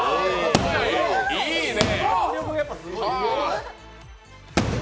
いいね！